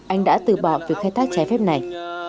anh đã từ bảo về khai thác chế phép này